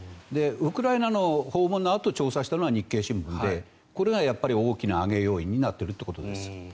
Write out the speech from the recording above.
ウクライナの訪問のあと調査したのが日経新聞でこれが大きな上げ要因になっているということです。